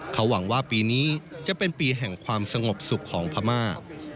เขาหวังว่าปีนี้จะเป็นปีแห่งความสงบสุขของพม่า